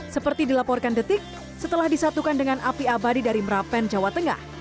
seperti dilaporkan detik setelah disatukan dengan api abadi dari merapen jawa tengah